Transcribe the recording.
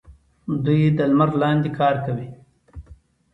دوی د لمر لاندې کار کوي.